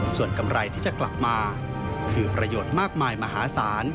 ส่วนกำไรที่จะกลับมาคือประโยชน์มากมายมหาศาล